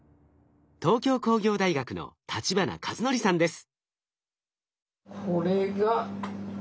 東京工業大学の立花和則さんです。